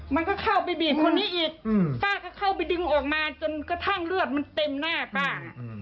มันก็เข้าไปบีบคนนี้อีกป้าก็เข้าไปดึงออกมาจนกระทั่งเลือดมันเต็มหน้าป้า